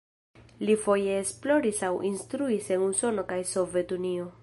Li foje esploris aŭ instruis en Usono kaj Sovetunio.